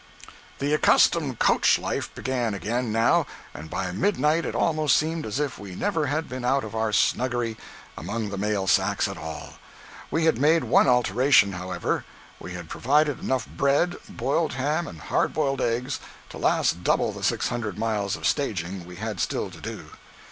140.jpg (30K) The accustomed coach life began again, now, and by midnight it almost seemed as if we never had been out of our snuggery among the mail sacks at all. We had made one alteration, however. We had provided enough bread, boiled ham and hard boiled eggs to last double the six hundred miles of staging we had still to do.